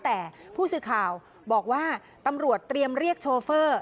แต่ผู้สื่อข่าวบอกว่าตำรวจเตรียมเรียกโชเฟอร์